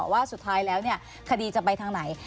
ว่าสุดท้ายแล้วคดีจะไปทางไหน